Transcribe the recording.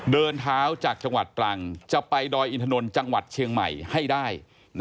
เดินเท้าจากจังหวัดตรังจะไปดอยอินทนนท์จังหวัดเชียงใหม่ให้ได้